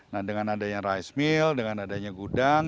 nah dengan adanya rice mill dengan adanya gudang